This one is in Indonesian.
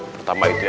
pertama itu ya